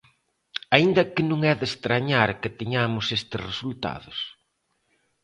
Aínda que non é de estrañar que teñamos estes resultados.